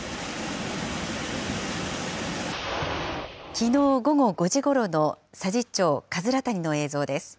きのう午後５時ごろの佐治町葛谷の映像です。